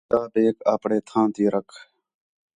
کتابیک آپݨے تھاں تی رکھ